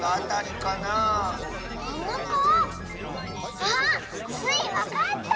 あっスイわかった！